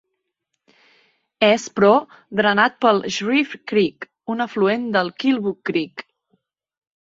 És, però, drenat pel Shreve Creek, un afluent del Killbuck Creek.